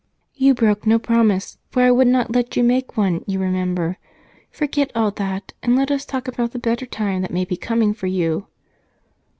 "You broke no promise, for I would not let you make one, you remember. Forget all that, and let us talk about the better time that may be coming for you."